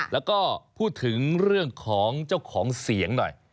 แล้วก็พูดถึงเรื่องของเจ้าของเสียงหน่อย